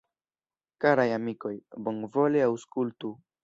Karaj amikoj, bonvole aŭskultu!